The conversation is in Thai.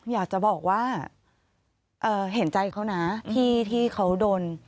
อยากจะบอกว่าเห็นใจเขานะที่เขาโดน